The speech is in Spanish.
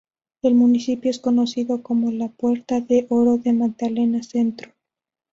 El municipio es conocido como la Puerta de Oro del Magdalena Centro.